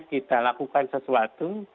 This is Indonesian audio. kita lakukan sesuatu